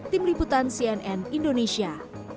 tim liputan cnn indonesia